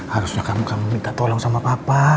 harusnya kamu minta tolong sama papa